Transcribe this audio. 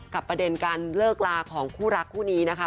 ประเด็นการเลิกลาของคู่รักคู่นี้นะคะ